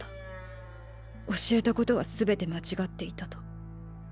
教えたことはすべて間違っていたと。